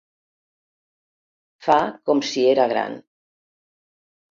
Fa com si era gran.